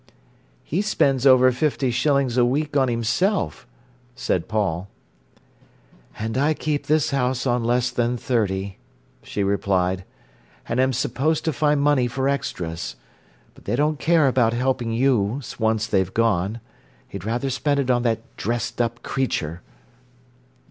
"He spends over fifty shillings a week on himself," said Paul. "And I keep this house on less than thirty," she replied; "and am supposed to find money for extras. But they don't care about helping you, once they've gone. He'd rather spend it on that dressed up creature."